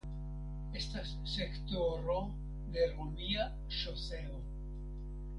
Estas sektoro de romia ŝoseo.